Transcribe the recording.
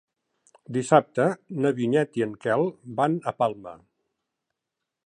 Dissabte na Vinyet i en Quel van a Palma.